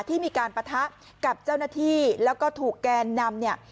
ที่มีการปะทะกับเจ้าหน้าที่แล้วก็ถูกแกนนำเนี่ย